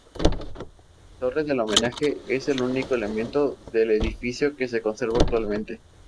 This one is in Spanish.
La torre del homenaje es el único elemento del edificio que se conserva actualmente.